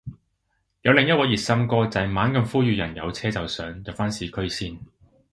有另一位熱心哥仔猛咁呼籲人有車就上，入返市中心先